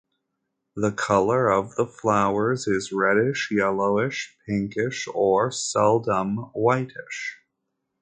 The colour of the flowers is reddish, yellowish, pinkish, or-seldom-whitish.